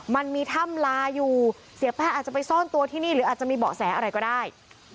มันมีถ้ำลาอยู่เสียแป้งอาจจะไปซ่อนตัวที่นี่หรืออาจจะมีเบาะแสอะไรก็ได้